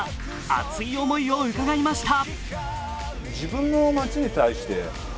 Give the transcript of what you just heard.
熱い思いを伺いました。